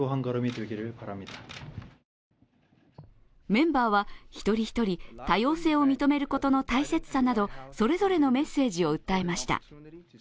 メンバーは一人一人多様性を認めることの大切さなどそれぞれのメッセージを訴えました。